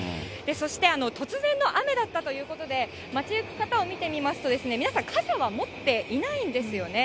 そして、突然の雨だったということで、街行く方を見てみますと、皆さん、傘は持っていないんですよね。